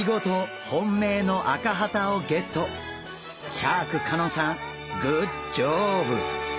シャーク香音さんグッジョブ！